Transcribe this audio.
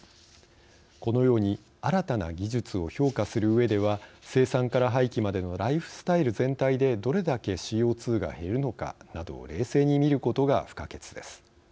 このように新たな技術を評価するうえでは生産から廃棄までのライフスタイル全体でどれだけＣＯ２が減るのかなどを冷静に見ることが不可欠です。